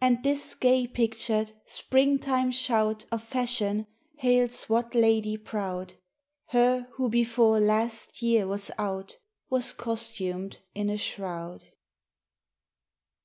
And this gay pictured, spring time shout Of Fashion, hails what lady proud? Her who before last year was out Was costumed in a shroud.